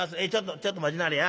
ちょっと待ちなはれや。